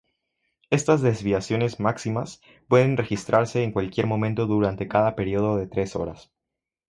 Estas desviaciones máximas pueden registrarse en cualquier momento durante cada periodo de tres horas.